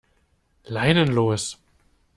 Leinen los!